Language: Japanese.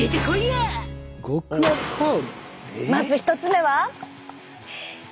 まず１つ目は。